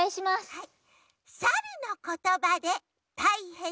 はい！